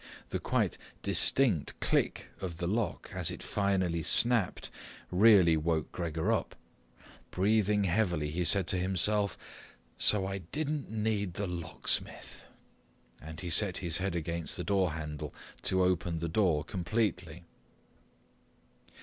The quite distinct click of the lock as it finally snapped really woke Gregor up. Breathing heavily he said to himself, "So I didn't need the locksmith," and he set his head against the door handle to open the door completely.